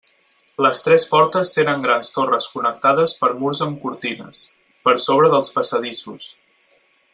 Les tres portes tenen grans torres connectades per murs amb cortines, per sobre dels passadissos.